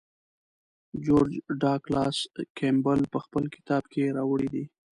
جورج ډاګلاس کیمبل په خپل کتاب کې راوړی دی.